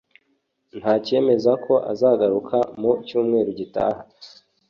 Nta cyemeza ko azagaruka mu cyumweru gitaha